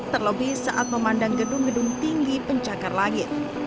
terlebih saat memandang gedung gedung tinggi pencakar langit